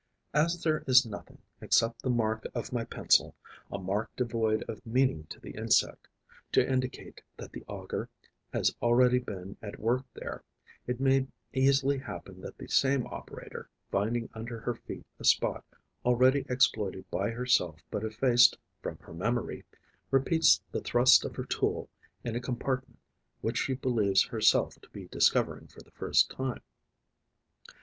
As there is nothing, except the mark of my pencil, a mark devoid of meaning to the insect, to indicate that the auger has already been at work there, it may easily happen that the same operator, finding under her feet a spot already exploited by herself but effaced from her memory, repeats the thrust of her tool in a compartment which she believes herself to be discovering for the first time.